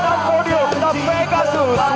dan ku letakkan cinta padaku